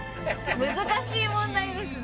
難しい問題ですね。